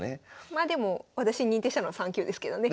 まあでも私認定したのは３級ですけどね。